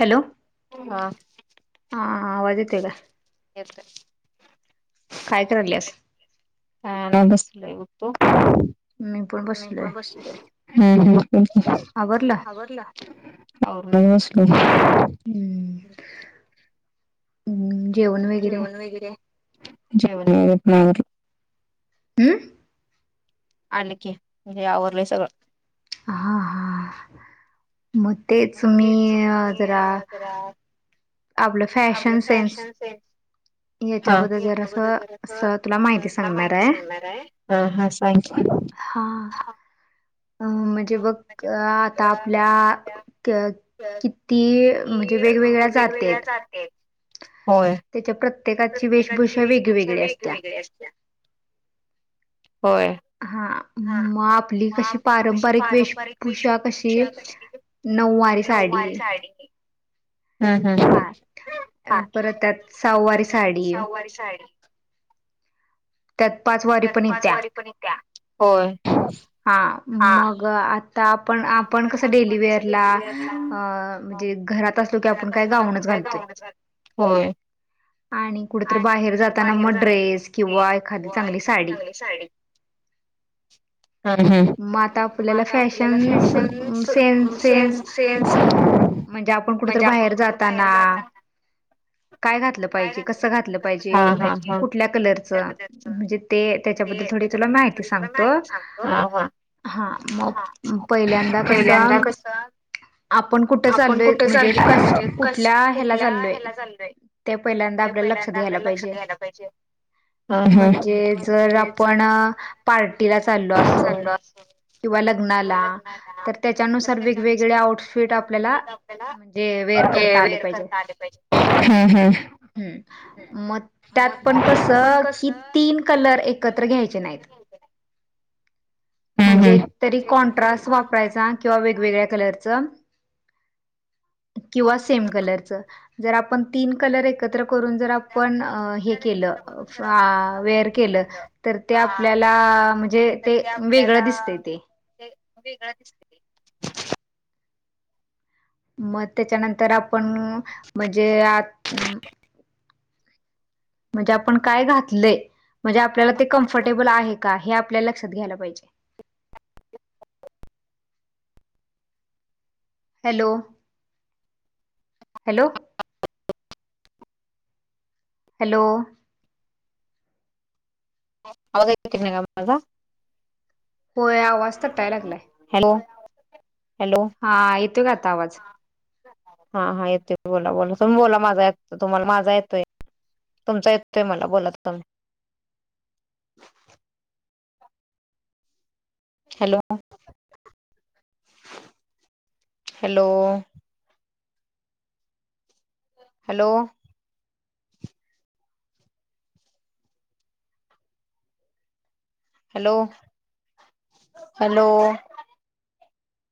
Hello.... हा... आवाज येतोय का? येतोय. काय करायलास? [unintelligible] बसलोय... तू?... मी पण बसलोय. हुं हुं [unintelligible] आवरलं? आवरलं... आवरून बसलोय. हम्म. हम्म वगैरे जेवण वगैरे? जेवण वगेरे [unintelligible] हुं? आलं की... हे आवरलंय सगळं. हा हा... मग तेच मी जरा. आपलं फॅशन सेन्स. हा... याच्याबद्दल मी ह्याच्याबददल जरासं असं तुला जरासं तुला सांगणार माहिती आहे सांगणार ए... हा हा सांग की. हां. अ म्हणजे बघ आता आपल्या किती म्हणजे वेगवेगळ्या जाती आहेत होय त्याच्या इथे प्रत्येकाची वेशभूषा वेगवेगळी असत्या वेगवेगळी असत्या होय हा मग आपली कशी पार पारंपारिक वेशभूषा कशी नऊवारी साडी हा परत त्या साववारी साडी त्यात पाच वारी पण येत्या हा मग ग आता पण आपण कसं डेलीवेअरला अ म्हणजे घरात असलो की आपण काय गाऊनच घालतोय होय आणि कुठेतरी बाहेर जाताना मग ड्रेस किंवा एखाद चांगली साडी म आता आपल्याला फॅशन चान्स सेन सेन्स म्हणजे आपण कुठेतरी बाहेर जाताना काय घातलं पाहिजे कसं घातलं पाहिजे आवरलं हम्म हम्म हा कुठल्या कलरच म्हणजे ते त्याच्याबद्दल थोडी तुला माहिती सांगतो हा मग पहिल्यांदा कसं आपण कुठं चाललोय म्हणजे कश कुठल्या ह्याला चाललोय ते पहिल्यांदा आपल्याला लक्षात घ्यायला पाहिजे पाहिजे म्हणजे जर आपण पार्टीला चाललो असल किंवा ल नाला तर त्याच्यानुसार वेगवेगळे आऊटफिट आपल्याला जे वेर करता आले पाहिजे हम्म हम्म हम् मग त्यात पण कस किती कलर एकत्र घ्यायचे नाहीत हम्म म्हणजे हम्म तरी कॉन्ट्रास वापरायचा किंवा वेगवेगळ्या कलरच किंवा सेम कलरच जर आपण तीन कलर एकत्र करून जर आपण हे केलं फा वेर केलं तर ते आपल्याला म्हणजे ते वेगळं दिसत ते [unintelligible] वेगळा दिसतोय मग त्याच्या नंतर आपण म्हणजे म्हणजे आपण काय घातलंय म्हणजे आपल्याला ते कम्फर्टेबल आहे का हे आपल्या लक्षात घ्यायला पाहिजे हॅलो हॅलो हॅलो [unintelligible] होय आवाज कटाया लागलाय हॅलो हॅलो हा येतोय का आता आवाज हा हा येतोय बोला बोला तुम्ही बोला माझा येतोय तुम्हाला माझा येतोय तुमचा येतोय मला बोलात तुम्ही hello hello hello hello hello